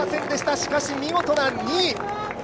しかし見事な２位。